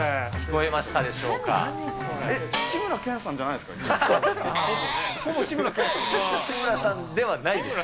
えっ、志村けんさんじゃないですか？